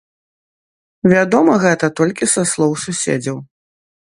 Вядома гэта толькі са слоў суседзяў.